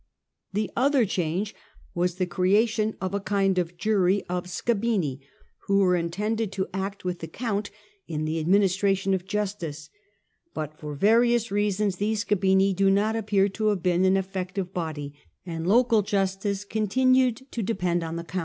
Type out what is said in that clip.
The other change was the creation of a kind of jury of scabini, who were intended to act with the count in the administration of justice. But for various reasons these scabini do not appear to have been an effective body, and local justice continued to depend on the count.